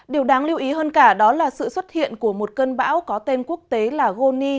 điều đáng lưu ý hơn cả đó là sự xuất hiện của một cơn bão có tên quốc tế là goni